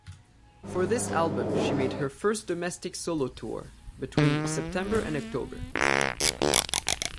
For this album she made her first domestic solo tour between September and October.